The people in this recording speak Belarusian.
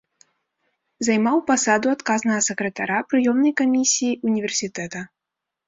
Займаў пасаду адказнага сакратара прыёмнай камісіі ўніверсітэта.